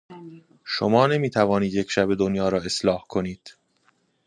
شما نمیتوانید یک شبه دنیا را اصلاح کنید.